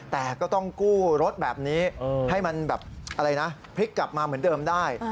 แต่ก็ต้องกู้รถแบบนี้ให้มันแบบอะไรนะพลิกกลับมาเหมือนเดิมได้